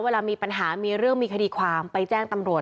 เวลามีปัญหามีเรื่องมีคดีความไปแจ้งตำรวจ